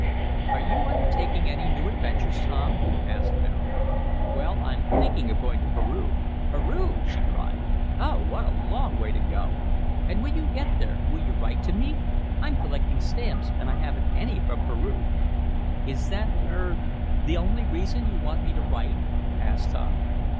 "Are you undertaking any new adventures, Tom?" asked Mary. "Well, I'm thinking of going to Peru." "Peru!" she cried. "Oh, what a long way to go! And when you get there will you write to me? I'm collecting stamps, and I haven't any from Peru." "Is that er the only reason you want me to write?" asked Tom.